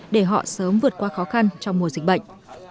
để họ sớm vượt qua khó khăn trong mùa dịch bệnh